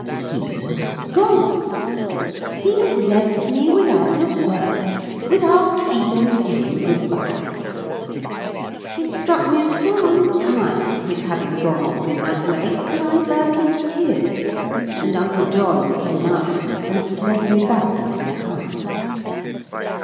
He was gone! He had left me without a word without even saying good bye! It struck me as so unkind, his having gone off in that way, that I burst into tears; and Uncle John came out, and led me back into the house.